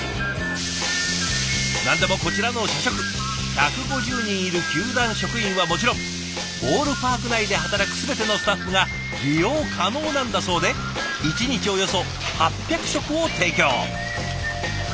何でもこちらの社食１５０人いる球団職員はもちろんボールパーク内で働く全てのスタッフが利用可能なんだそうで１日およそ８００食を提供。